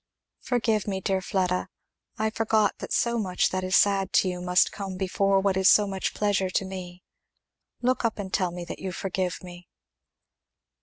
"Forgive me, dear Fleda! I forgot that so much that is sad to you must come before what is so much pleasure to me. Look up and tell me that you forgive me."